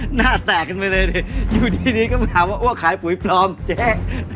หน้าแตกกันไปเลยเนี้ยอยู่ที่นี้ก็มาถามว่าอ้วกขายปุ๋ยพรอมเจ๊